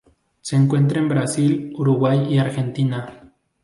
Se encuentra en Brasil, Uruguay y Argentina.